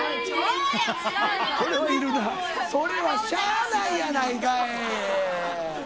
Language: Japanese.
「それはしゃあないやないかい」